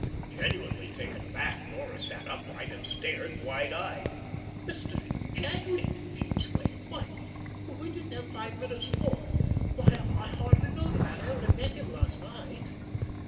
Genuinely taken aback, Laura sat upright and stared wide eyed. "Mr. Jadwin!" she exclaimed. "Why, we didn't have five minutes' talk. Why, I hardly know the man. I only met him last night."